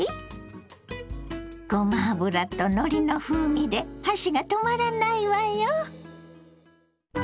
ごま油とのりの風味で箸が止まらないわよ！